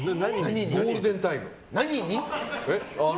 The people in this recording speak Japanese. ゴールデンタイム。